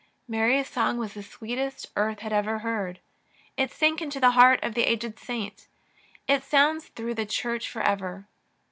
Mary's song was the sweetest earth had ever heard. It sank into the heart of the aged saint. It sounds through the Church for ever.